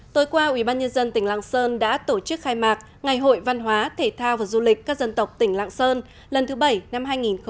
tối qua ubnd tỉnh lạng sơn đã tổ chức khai mạc ngày hội văn hóa thể thao và du lịch các dân tộc tỉnh lạng sơn lần thứ bảy năm hai nghìn một mươi chín